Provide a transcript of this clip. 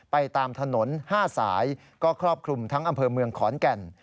ไปตามถนน๕สายก็ครอบคลุมทั้งอำเภอเมืองขอนแก่น